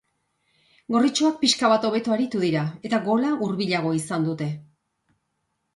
Gorritxoak pixka bat hobeto aritu dira eta gola hurbilago izan dute.